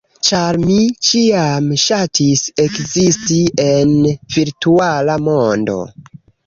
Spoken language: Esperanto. ĉar mi ĉiam ŝatis ekzisti en virtuala mondo.